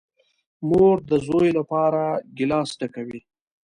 مور ده زوی لپاره گیلاس ډکوي .